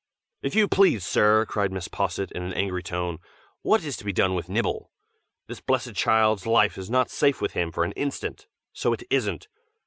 "If you please, sir," cried Mrs. Posset in an angry tone, "what is to be done with Nibble? this blessed child's life is not safe with him for an instant, so it isn't!